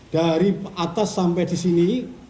dari atas sampai di sini